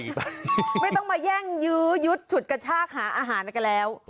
ไม่ต้องมาแย่งยื้อยุดฉุดกระชากหาอาหารกันแล้ว